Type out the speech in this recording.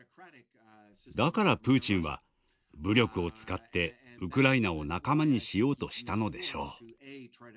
だからプーチンは武力を使ってウクライナを仲間にしようとしたのでしょう。